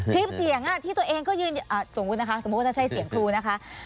คลิปเสียงที่ตัวเองก็ยืนสมมุตินะคะสมมุติว่าถ้าใช้เสียงครูนะคะ